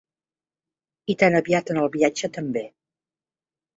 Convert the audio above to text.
I tan aviat en el viatge també.